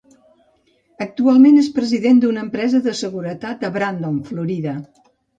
Actualment és president d'una empresa de seguretat a Brandon, Florida.